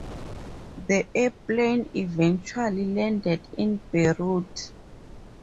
The airplane eventual landed in Beirut.